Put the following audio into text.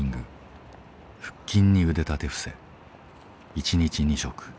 一日２食。